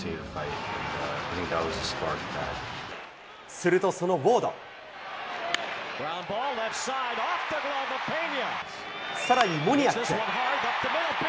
するとそのウォード。さらにモニアック。